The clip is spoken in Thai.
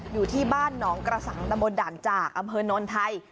อยู่ที่บ้านน้องกระสังตมดันจากอเมินนท์ไทย